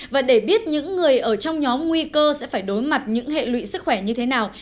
và để biết những người ở trong nhóm nguy cơ sẽ phải đối mặt những hệ lụy sức khỏe như thế nào